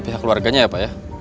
pihak keluarganya ya pak ya